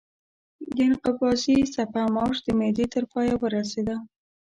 د انقباضي څپه موج د معدې تر پایه ورسېده.